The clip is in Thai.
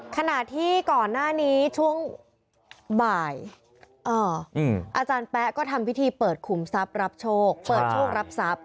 ขณะที่ก่อนหน้านี้ช่วงบ่ายอาจารย์แป๊ะก็ทำพิธีเปิดขุมทรัพย์รับโชคเปิดโชครับทรัพย